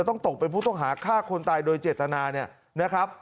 ต้องตกเป็นผู้ต้องหาฆ่าคนตายโดยเจตนาเนี่ยนะครับ